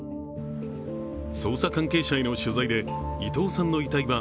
捜査関係者への取材で伊藤さんの遺体は